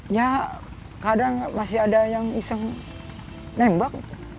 ya kadang masih ada yang iseng nembak